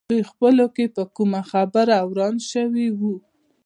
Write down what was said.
دوی خپلو کې پر کومه خبره وران شوي وو.